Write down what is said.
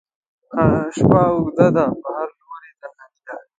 شپه اوږده ده په هر لوري تنهایي ده